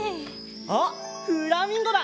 あっフラミンゴだ！